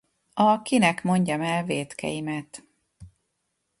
A Kinek mondjam el vétkeimet?